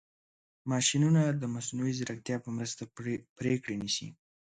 ماشینونه د مصنوعي ځیرکتیا په مرسته پرېکړې نیسي.